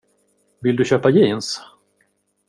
Vill du köpa jeans?